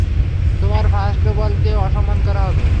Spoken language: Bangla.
তোমার ফাস্টবলকে অসম্মান করা হবে।